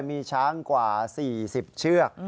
มีช้างกว่า๔๐เชือก